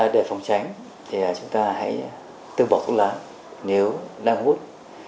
để phòng tránh thì chúng ta hãy từ bỏ thuốc lá nếu đang hút